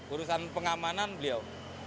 urusan pengamanan beliau